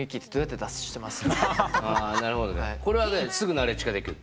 あなるほどね。これはねすぐナレッジ化できる。